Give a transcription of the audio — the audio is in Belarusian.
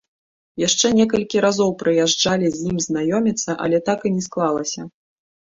Яшчэ некалькі разоў прыязджалі з ім знаёміцца, але так і не склалася.